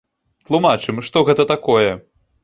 Тлумачым, што гэта такое.